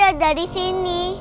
kita dari sini